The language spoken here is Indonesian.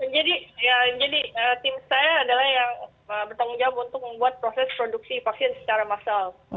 jadi ya jadi tim saya adalah yang bertanggung jawab untuk membuat proses produksi vaksin secara massal